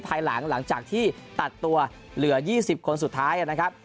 ภายหลังจากที่ตัดตัวเหลือ๒๐คนสุดท้ายนะครับ